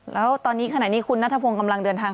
แล้วตอนนี้ขณะนี้คุณนัทพงศ์กำลังเดินทาง